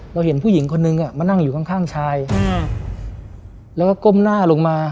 เห็นผู้หญิงคนนึงมานั่งอยู่ข้างชายแล้วก็ก้มหน้าลงมา